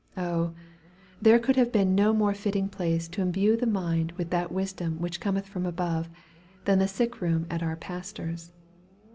O, there could have been no more fitting place to imbue the mind with that wisdom which cometh from above, than the sick room at our pastor's.